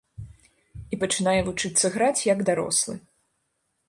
І пачынае вучыцца граць, як дарослы.